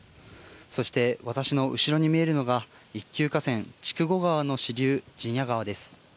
そして、私の後ろに見えるのが一級河川・筑後川の支流・陣屋川です。